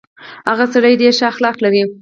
هغه سړی ډېر شه اخلاق لري.